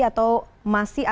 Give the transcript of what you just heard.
atau masih ada